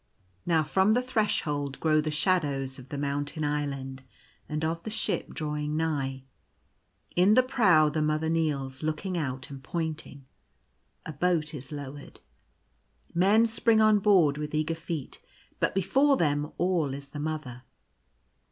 Now from the Threshold grow the shadows of the mountain island and of the ship drawing nigh. In the prow the Mother kneels, looking out and pointing. A boat is lowered. Men spring on board with eager feet ; but before them all is the Mother.